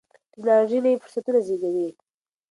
ټیکنالوژي نوي فرصتونه زیږوي.